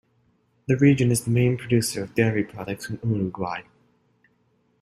The region is the main producer of dairy products in Uruguay.